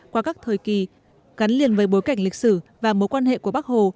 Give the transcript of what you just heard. qua các thời kỳ gắn liền với bối cảnh lịch sử và mối quan hệ của bắc hồ